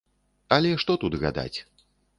Але што тут гадаць.